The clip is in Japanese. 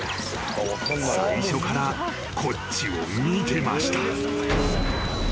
［最初からこっちを見てました］